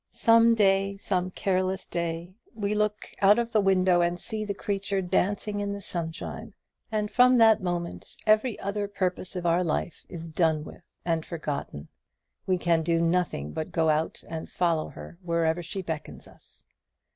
Some day some careless day we look out of the window and see the creature dancing in the sunshine, and from that moment every other purpose of our life is done with and forgotten; we can do nothing but go out and follow her wherever she beckons us.